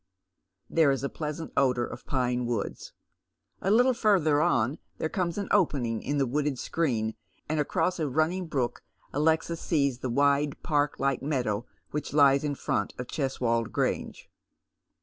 There is a pleasant odour of pine woods. A little further on there comes an opening in the wooded screen, and across a running brook Alexis sees the wide park like meadow which lies in front of Cheswold Grange.